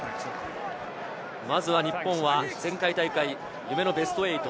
まずは日本は前回大会、夢のベスト８。